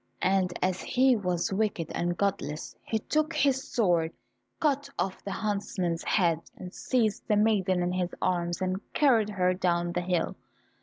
And as he was wicked and godless he took his sword, cut off the huntsman's head, and seized the maiden in his arms, and carried her down the hill.